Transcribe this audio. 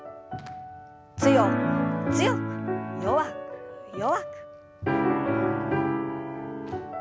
強く強く弱く弱く。